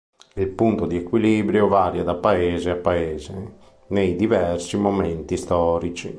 Il punto di equilibrio varia da paese a paese, nei diversi momenti storici.